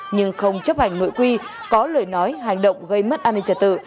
nhưng không chấp hành nội quy có lời nói hành động gây mất an ninh trật tự